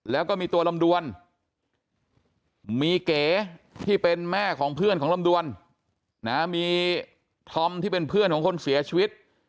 แล้วก็มีตัวลำดวนมีเก๋ที่เป็นแม่ของเพื่อนของลำดวนนะมีธอมที่เป็นเพื่อนของคนเสียชีวิต